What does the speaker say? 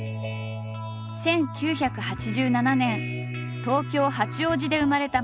１９８７年東京八王子で生まれた松下。